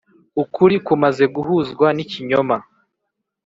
ukuri kumaze guhuzwa n’ikinyoma,